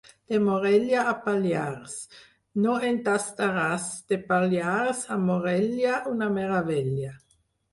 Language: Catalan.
De Morella a Pallars, no en tastaràs; de Pallars a Morella, una meravella.